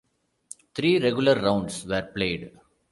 Three regular rounds were played.